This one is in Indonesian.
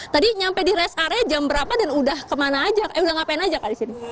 tadi nyampe di rest area jam berapa dan udah ngapain aja kak disini